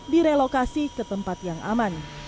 direlokasi ke tempat yang aman